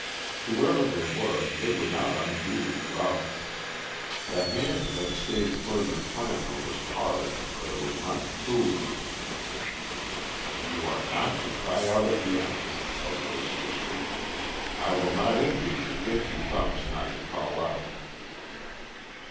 Whoever they were, they were not unduly rough. The hand that stayed further clamor was hard, but it was not cruel. "You are not to cry out again," a voice whispered. "I will not injure you if you promise not to call out."